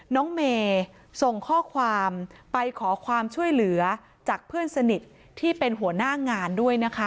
น้องเมย์ส่งข้อความไปขอความช่วยเหลือจากเพื่อนสนิทที่เป็นหัวหน้างานด้วยนะคะ